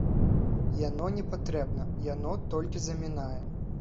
Яно непатрэбна, яно толькі замінае.